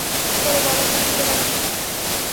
চলো বাবার নাম, দেবানন্দ।